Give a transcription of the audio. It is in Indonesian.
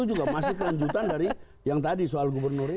dua ribu dua puluh empat itu juga masih kelanjutan dari yang tadi soal gubernur itu